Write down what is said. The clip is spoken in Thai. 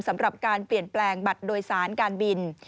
สำหรับการเปลี่ยนแปลงบัตรโดยสารการบิน